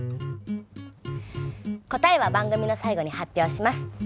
答えは番組の最後に発表します。